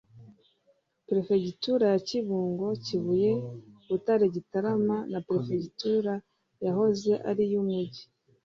Perefegitura ya Kibungo Kibuye Butare Gitarama na Perefegitura yahoze ari iy’Umujyi